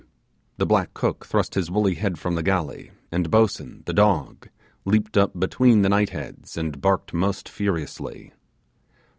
The black cook thrust his woolly head from the galley, and Boatswain, the dog, leaped up between the knight heads, and barked most furiously.